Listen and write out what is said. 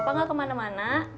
bapak gak kemana mana